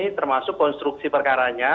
termasuk konstruksi perkaranya